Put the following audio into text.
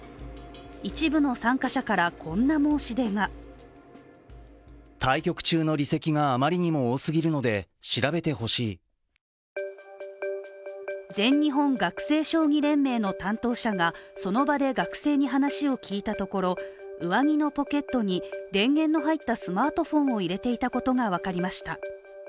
一部の参加者からこんな申し出が全日本学生将棋連盟の担当者がその場で学生に話を聞いたところ、上着のポケットに電源の入ったスマートフォンを入れていたことが分かりました。